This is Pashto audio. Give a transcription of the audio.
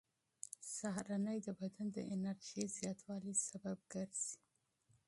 سهارنۍ د بدن د انرژۍ زیاتوالي سبب ګرځي.